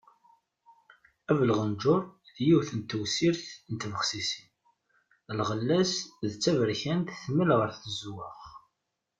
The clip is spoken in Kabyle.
Abelɣenǧur d yiwet n tewsit n tbexsisin, lɣella-s d taberkant tmal ɣer tezweɣ.